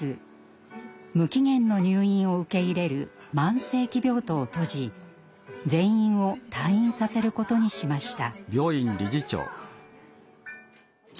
無期限の入院を受け入れる慢性期病棟を閉じ全員を退院させることにしました。